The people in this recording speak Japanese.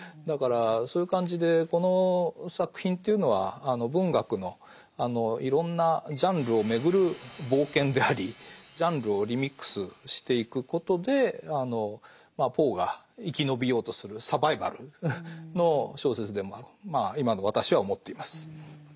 だからそういう感じでこの作品というのは文学のいろんなジャンルをめぐる冒険でありジャンルをリミックスしていくことでポーが生き延びようとするサバイバルの小説でもあるとまあ今の私は思っています。